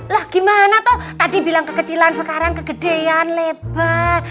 lah gimana tuh tadi bilang kekecilan sekarang kegedean lebek